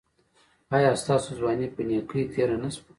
ایا ستاسو ځواني په نیکۍ تیره نه شوه؟